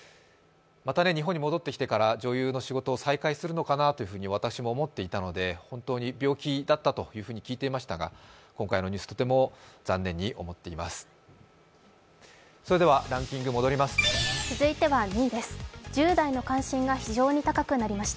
また日本に戻ってきてから女優の仕事を再開するのかなと私も思っていたので本当に病気だったと聞いていましたが今回のニュースとても残念に思っています。